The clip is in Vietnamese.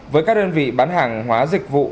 với các đơn vị bán hàng hóa dịch vụ